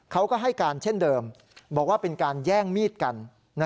เขาก็ให้การเช่นเดิมบอกว่าเป็นการแย่งมีดกัน